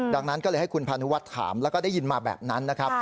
ดังนั้นก็เลยให้คุณพานุวัฒน์ถามแล้วก็ได้ยินมาแบบนั้นนะครับ